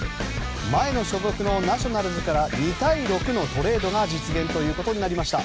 前の所属のナショナルズから２対６のトレードが実現ということになりました。